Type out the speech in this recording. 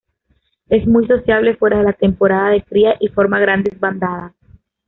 Es muy sociable fuera de la temporada de cría y forma grandes bandadas.